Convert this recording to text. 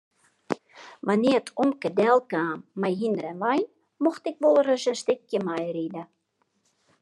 Wannear't omke delkaam mei hynder en wein mocht ik wolris in stikje meiride.